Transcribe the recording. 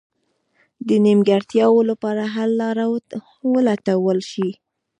د نیمګړتیاوو لپاره حل لاره ولټول شي.